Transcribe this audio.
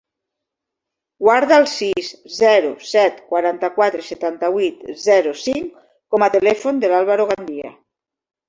Guarda el sis, zero, set, quaranta-quatre, setanta-vuit, zero, cinc com a telèfon del Álvaro Gandia.